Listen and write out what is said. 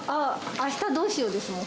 あしたどうしようですね。